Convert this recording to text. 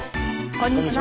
こんにちは。